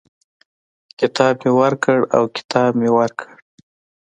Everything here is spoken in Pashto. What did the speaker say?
کتاب مي ورکړ او کتاب مې ورکړ.